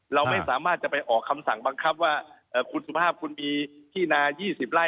เราไม่สามารถจะไปออกคำสั่งบังคับว่าคุณสุภาพคุณมีที่นา๒๐ไร่